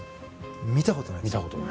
見たことがないです。